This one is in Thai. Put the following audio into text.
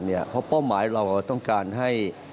เพราะป้อมหมายเราเราต้องการให้